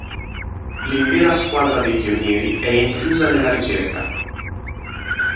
L'intera squadra dei pionieri è inclusa nella ricerca.